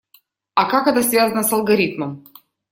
А как это связано с алгоритмом?